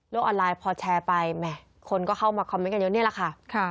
ออนไลน์พอแชร์ไปแหมคนก็เข้ามาคอมเมนต์กันเยอะนี่แหละค่ะ